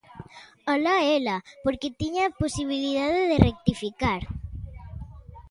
¡Alá ela!, porque tiña a posibilidade de rectificar.